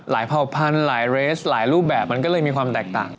หลายเข้าพันธุ์หลายรูปแบบมันก็เลยมีความแตกต่าง